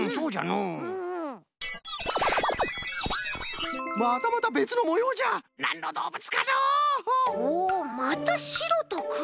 おまたしろとくろ？